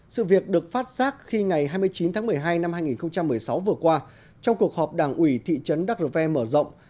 sự việc được phát giác khi ngày hai mươi chín tháng một mươi hai năm hai nghìn một mươi sáu vừa qua trong cuộc họp đảng ủy thị trấn đắk rơ ve mở rộng